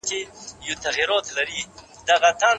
پوهه لرونکې مور د سترګو پاکوالی ساتي.